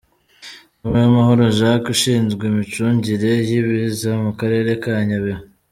Niwemahoro Jacques ushinzwe imicungire y’ibiza mu karere ka Nyabihu.